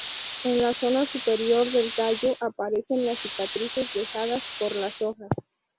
En la zona superior del tallo aparecen las cicatrices dejadas por las hojas.